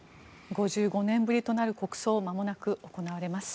５５年ぶりとなる国葬まもなく行われます。